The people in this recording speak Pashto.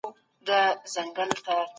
که ساینس عملي تدریس سي، زده کړه وچه نه ښکاري.